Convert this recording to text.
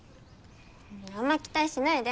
あんま期待しないで。